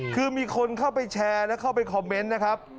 คือมีคนเข้าไปแชร์และเข้าไปคอมเมนต์นะครับ